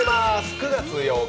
９月８日